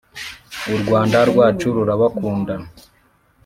u rwanda rwacu rurabakunda